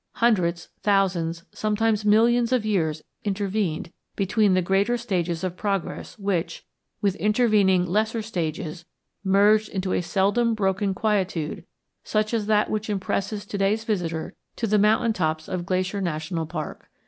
Hundreds, thousands, sometimes millions of years intervened between the greater stages of progress which, with intervening lesser stages, merged into a seldom broken quietude such as that which impresses to day's visitor to the mountain tops of Glacier National Park.